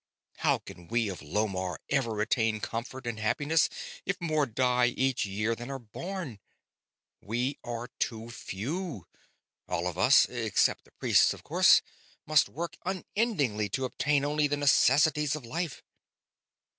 How can we of Lomarr ever attain comfort and happiness if more die each year than are born? We are too few. All of us except the priests, of course must work unendingly to obtain only the necessities of life."